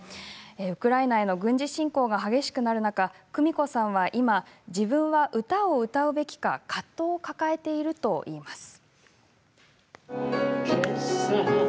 ウクライナの軍事侵攻が激しくなる中、クミコさんは今自分は歌を歌うべきか葛藤を抱えているといいます。